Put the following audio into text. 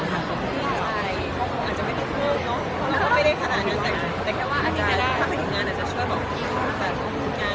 สวมนุษย์ดารมีการประกอบครับ